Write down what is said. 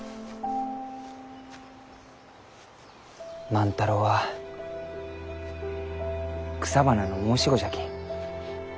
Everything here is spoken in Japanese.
万太郎は草花の申し子じゃき。